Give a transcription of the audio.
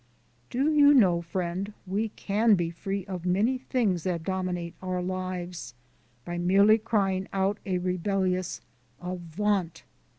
Do you know, friend, we can be free of many things that dominate our lives by merely crying out a rebellious "Avaunt!"